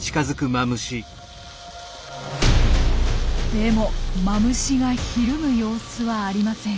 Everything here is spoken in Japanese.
でもマムシがひるむ様子はありません。